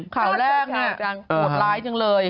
ข่าวแรกนี่หมดไลค์จังเลย